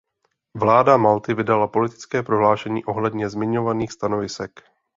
Vláda Malty vydala politické prohlášení ohledně zmiňovaných stanovisek.